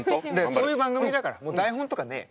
そういう番組だから台本とかねえ。